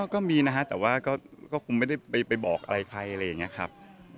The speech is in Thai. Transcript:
ก็มีนะฮะแต่ว่าก็คงไม่ได้ไปบอกอะไรใครอะไรอย่างนี้ครับ